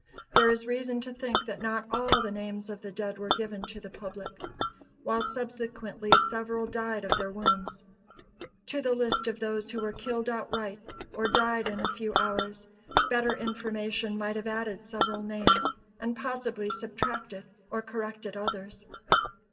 There is reason to think that not all the names of the dead were given to the public, while subsequently several died of their wounds. To the list of those who were killed outright, or died in a few hours, better information might have added several names, and possibly subtracted or corrected others.